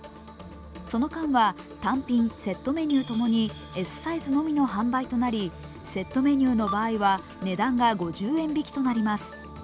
その間は単品・セットメニューともにＳサイズのみの販売となりセットメニューの場合は、値段が５０円引きとなります。